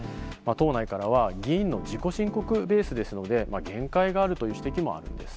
党内からは、議員の自己申告ベースですので、限界があるという指摘もあるんです。